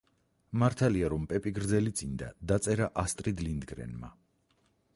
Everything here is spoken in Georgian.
მართალია, რომ პეპი გრძელიწინდა დაწერა ასტრიდ ლინდგრენმა